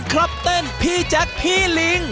ครับเต้นพี่แจ๊คพี่ลิง